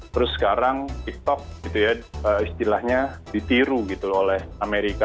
terus sekarang tiktok gitu ya istilahnya ditiru gitu oleh amerika